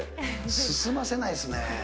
進ませないですね。